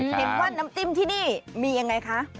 เห็นว่าน้ำจิ้มที่ที่นี่มีอย่างเงยคะ